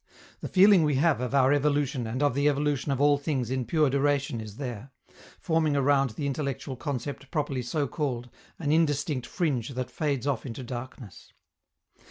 The feeling we have of our evolution and of the evolution of all things in pure duration is there, forming around the intellectual concept properly so called an indistinct fringe that fades off into darkness.